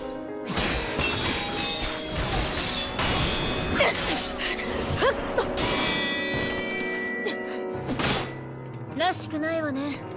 ガキン！らしくないわね。